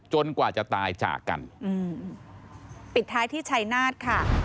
กว่าจะตายจากกันอืมปิดท้ายที่ชัยนาธค่ะ